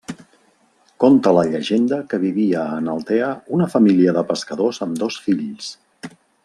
Conta la llegenda que vivia en Altea una família de pescadors amb dos fills.